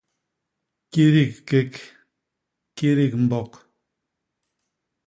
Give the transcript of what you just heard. Kidik kék; kidik mbok.